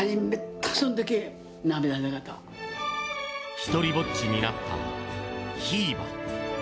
独りぼっちになった、ひーば。